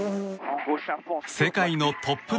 世界のトップ